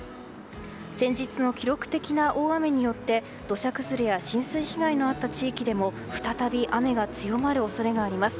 先日の記録的な大雨によって土砂崩れや浸水被害のあった地域でも再び雨が強まる恐れがあります。